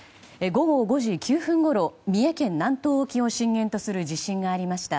午後５時９分ごろ三重県南東沖を震源とする地震がありました。